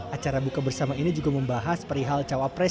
acara buka bersama ini juga membahas perihal cawa pres